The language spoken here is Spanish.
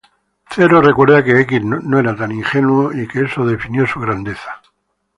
Zero recuerda que X no era tan ingenuo y que eso definió su grandeza.